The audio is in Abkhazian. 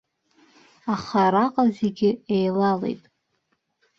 Аха араҟа зегьы еилалеит.